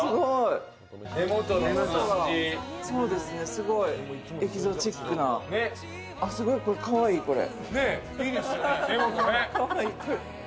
すごい、エキゾチックな、かわいい、これ。